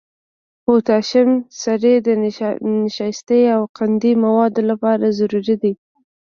پوتاشیمي سرې د نشایستې او قندي موادو لپاره ضروري دي.